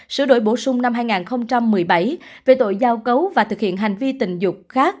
sửa đổi bổ sung năm hai nghìn một mươi bảy về tội giao cấu và thực hiện hành vi tình dục khác